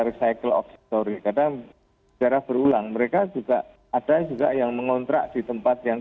recycle of story karena darah berulang mereka juga ada juga yang mengontrak di tempat yang